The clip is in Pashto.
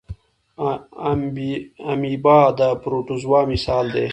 امیبا د پروټوزوا مثال دی